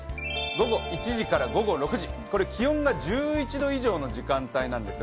午後１時から午後６時、気温が１１度以上の時間帯なんですよ。